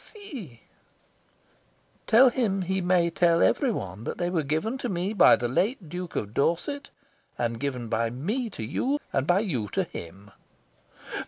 "Tell him he may tell every one that they were given to me by the late Duke of Dorset, and given by me to you, and by you to him."